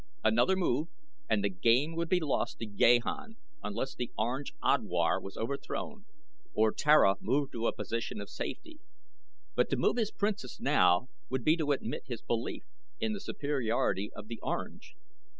Another move and the game would be lost to Gahan unless the Orange Odwar was overthrown, or Tara moved to a position of safety; but to move his Princess now would be to admit his belief in the superiority of the Orange.